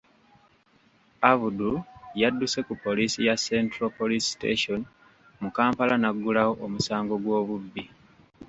Abdul yadduse ku Poliisi ya Central Police Station mu Kampala n'aggulawo omusango gw'obubbi.